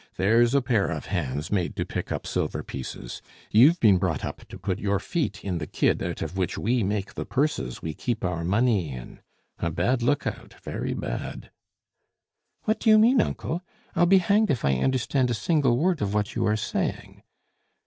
"There's a pair of hands made to pick up silver pieces. You've been brought up to put your feet in the kid out of which we make the purses we keep our money in. A bad look out! Very bad!" "What do you mean, uncle? I'll be hanged if I understand a single word of what you are saying."